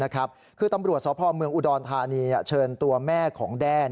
คือตำรวจสพเมืองอุดรธานีเชิญตัวแม่ของแด้